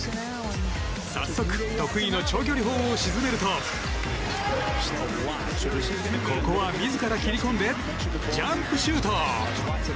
早速、得意の長距離砲を沈めるとここは自ら切り込んでジャンプシュート。